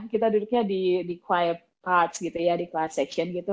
kita duduknya di choir part gitu ya di choir section gitu